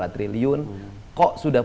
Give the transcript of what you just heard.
dua dua triliun kok sudah